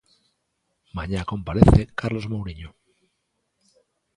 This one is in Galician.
Mañá comparece Carlos Mouriño.